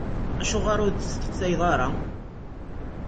Acuɣer ur d-testeqsayeḍ ara?